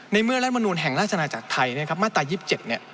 ในเมื่อรัฐมนุษย์แห่งราชนาจักรไทยเนี่ยครับมาตร๒๗เนี่ย